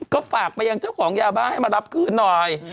ก็ฝากไปยังเจ้าของยาบ้าให้มารับคืนหน่อย